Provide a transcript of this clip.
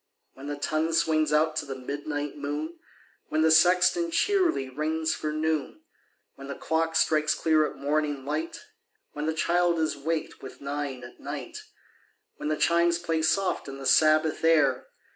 When the tonirue swino;s out to the midnin; ht moon— When the sexton checrly rings for noon — When the clock strikes clear at morning light — When the child is waked with " nine at night" — When the chimes play soft in the Sabbath air.